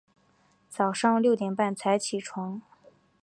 早上六点半才起床